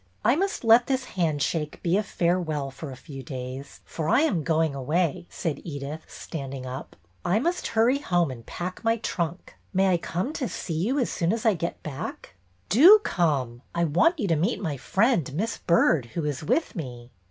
" I must let this handshake be a farewell for a few days, for I am going away," said Edyth, standing up. " I must hurry home and pack my trunk. May I come to see you as soon as I get back?" MISS HUNT'S LOVER 197 Do come. I want you to meet my friend, Miss Byrd, who is with me."